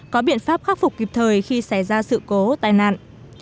có biện pháp khắc phục kịp thời khi xảy ra sự cố tai nạn